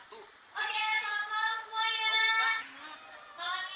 thank you banget bang